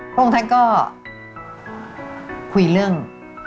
พวกท่านก็คุยเรื่อง